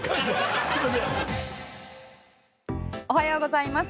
おはようございます。